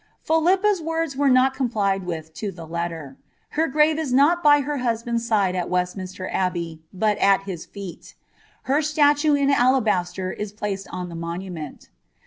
Philippa'a word* were not complied wiih to the letter; her gn*eit not by her husband*! side at Weiiminaier Abbey, but at hie feet tia ■talue in atabsBter is placed on the monument.'